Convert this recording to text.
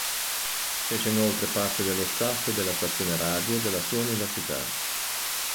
Fece inoltre parte dello staff della stazione radio della sua università.